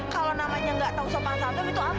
kalau namanya nggak tahu sopan satem itu apa